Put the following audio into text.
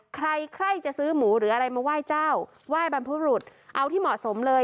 ใครใครจะซื้อหมูหรืออะไรมาไหว้เจ้าไหว้บรรพบุรุษเอาที่เหมาะสมเลย